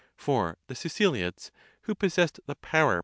For the Siceliotes, who possessed the power?